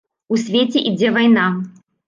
У свеце ідзе вайна.